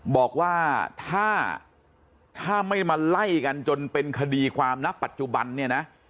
บอกว่าถ้าไม่มาไล่กันจนเป็นคดีความนะปัจจุบันเนี่ยนะ